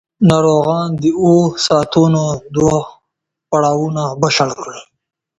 ناروغان د اوو ساعتونو دوه پړاوونه بشپړ کړل.